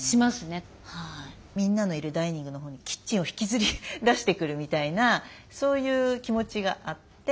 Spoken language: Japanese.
みんなのいるダイニングのほうにキッチンを引きずり出してくるみたいなそういう気持ちがあって。